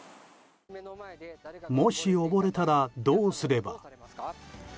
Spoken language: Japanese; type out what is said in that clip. もし溺れたらどうすれば。